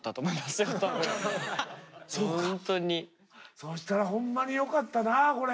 そしたらほんまによかったなこれ。